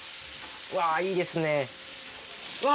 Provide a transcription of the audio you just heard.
うわいいですね。